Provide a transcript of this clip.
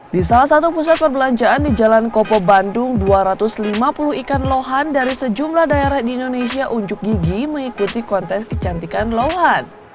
di salah satu pusat perbelanjaan di jalan kopo bandung dua ratus lima puluh ikan lohan dari sejumlah daerah di indonesia unjuk gigi mengikuti kontes kecantikan lohan